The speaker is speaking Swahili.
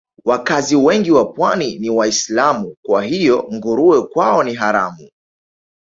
Wakazi wengi wa Pwani ni Waislamu kwa hiyo nguruwe kwao ni haramu